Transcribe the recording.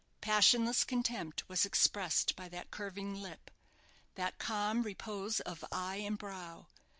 Passionless contempt was expressed by that curving lip, that calm repose of eye and brow.